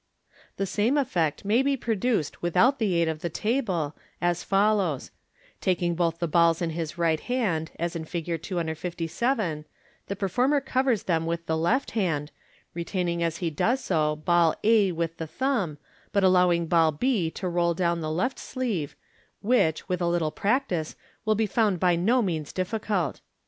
The same effect may be produced without the aid of the table, at follows t — Taking both the balls in his right hand, as in Fig. »jJ7, MODERN MAGTC 4«< Fig. 257. md, whence it is immediately the performer covers them with the left hand, retaining as he does s< ball a with the thumb, but allowing ball b to roll down the left sleev* which, with a little practice, will be found by no means difficult.